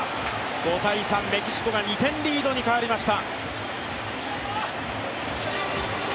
５−３、メキシコが２点リードに変わりました。